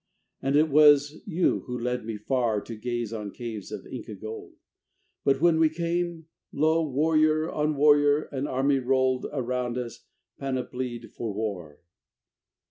And it was you who led me far To gaze on caves of Inca gold: But when we came, lo! warrior On warrior, an army rolled Around us panoplied for war.